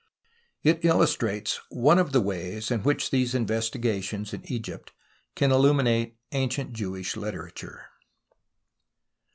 It illustrates one of the ways in which these investigations in Egypt can illuminate ancient Jewish literature.